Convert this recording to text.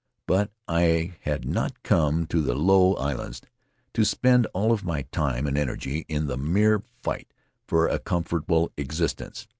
But I had not come to the Low Islands to spend all of my time and energy in the mere fight for a comfortable existence.